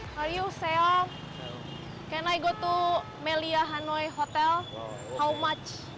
boleh saya pergi ke melia hanoi hotel berapa harga